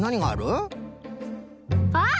あっ！